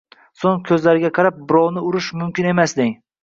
so‘ng, ko‘zlariga qarab: “Birovni urish mumkin emas”, deng.